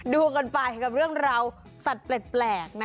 ดูก่อนไปกับเรื่องเราสัตว์แปลก